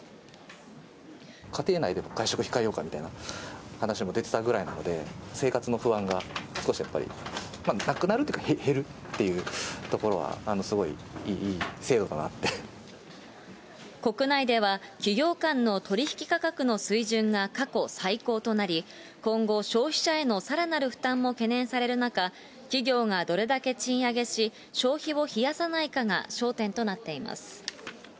家庭内でも外食控えようかみたいな話も出てたぐらいなので、生活の不安が少しやっぱり、なくなるっていうか、減るっていうところは、すごいいい制度だな国内では、企業間の取り引き価格の水準が過去最高となり、今後、消費者へのさらなる負担も懸念される中、企業がどれだけ賃上げし、消費を冷やさないかが焦点となっています。